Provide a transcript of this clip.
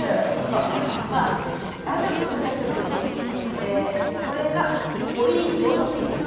えこれが堀井丈之助さん。